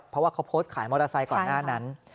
เพราะว่าเขาโพสต์ขายมอเตอร์ไซค์ก่อนหน้านั้น